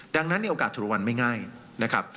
ดังนั้นในโอกาสถูกรางวัลไม่ง่ายนะครับ